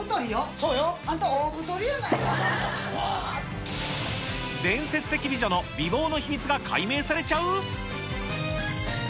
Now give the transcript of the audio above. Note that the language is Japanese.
そうよ。あんた、伝説的美女の美貌の秘密が解明されちゃう？